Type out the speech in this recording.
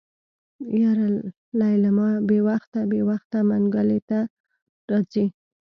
يره ليلما بې وخته بې وخته منګلي ته راځي.